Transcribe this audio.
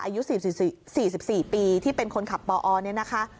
อายุ๔๔ปีที่เป็นคนขับปอเนี่ยนะคะ